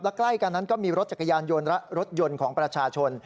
ใกล้กันนั้นก็มีรถจักรยานยนต์และรถยนต์ของประชาชน